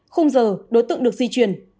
không giờ đối tượng được di chuyển